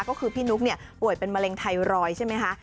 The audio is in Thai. ก็คือพี่นุ๊กป่วยเป็นมะเร็งไทรอยด์ใช่ไหมคะ